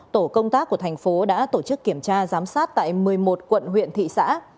tổ công tác của thành phố đã tổ chức kiểm tra giám sát tại một mươi một quận huyện thị xã